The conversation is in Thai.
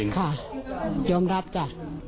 ค่ะยอมรับจ้ะ